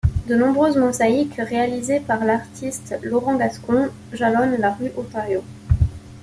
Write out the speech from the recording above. De nombreuses mosaïques réalisées par l'artiste Laurent Gascon jalonnent la rue Ontario.